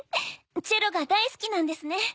チェロがだいすきなんですね。